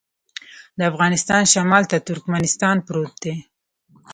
د افغانستان شمال ته ترکمنستان پروت دی